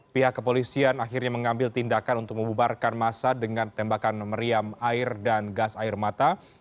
pihak kepolisian akhirnya mengambil tindakan untuk membubarkan masa dengan tembakan meriam air dan gas air mata